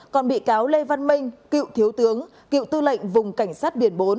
còn bị cáo lê văn minh cựu thiếu tướng cựu tư lệnh vùng cảnh sát biển bốn